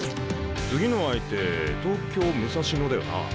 次の相手東京武蔵野だよな？